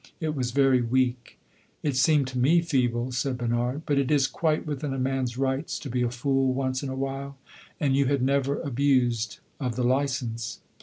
It was very weak." "It seemed to me feeble," said Bernard. "But it is quite within a man's rights to be a fool once in a while, and you had never abused of the license."